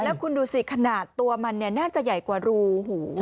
แล้วคุณดูสิขนาดตัวมันน่าจะใหญ่กว่ารูหู